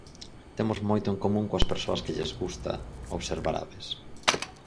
Temos moito en común coas persoas que lles gusta observar aves.